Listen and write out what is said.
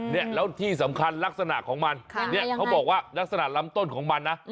เนี่ยแล้วที่สำคัญลักษณะของมันเนี่ยเขาบอกว่าลักษณะลำต้นของมันนะ